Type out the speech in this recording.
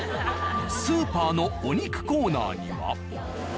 スーパーのお肉コーナーには。